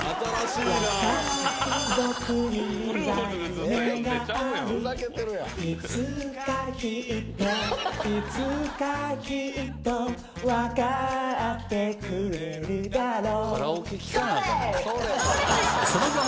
いつかきっとわかってくれるだろうそれ！